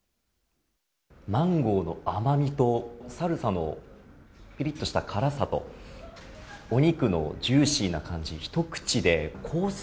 マンゴーの甘みとサルサのピリッとした辛さとお肉のジューシーな感じ、一口でコース